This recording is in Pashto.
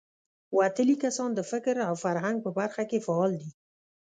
وتلي کسان د فکر او فرهنګ په برخه کې فعال دي.